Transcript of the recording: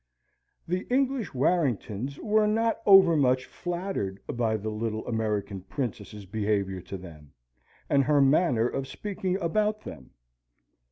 The English Warringtons were not over much flattered by the little American Princess's behaviour to them, and her manner of speaking about them.